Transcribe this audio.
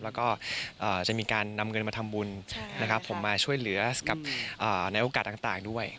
แล้วก็จะมีการนำเงินมาทำบุญนะครับผมมาช่วยเหลือกับในโอกาสต่างด้วย